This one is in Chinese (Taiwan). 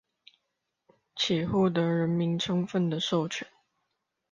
且獲得人民充分的授權